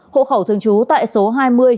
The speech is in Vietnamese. hộ khẩu thường trú tại số hai mươi